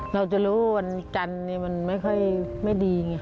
เราจะรู้ว่าวันจันทร์มันไม่ค่อยไม่ดีไง